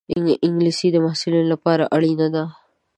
انګلیسي د محصلینو لپاره اړینه ده